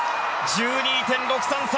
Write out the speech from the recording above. １２．６３３。